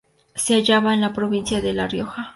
Se hallaba en la provincia de La Rioja.